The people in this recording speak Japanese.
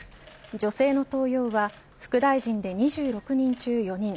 女性の登用は副大臣で２６人中４人。